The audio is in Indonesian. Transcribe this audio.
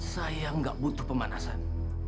saya gak butuh pemanasan